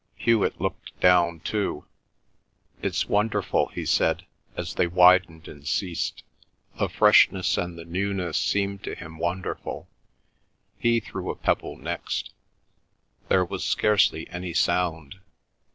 Hewet looked down too. "It's wonderful," he said, as they widened and ceased. The freshness and the newness seemed to him wonderful. He threw a pebble next. There was scarcely any sound.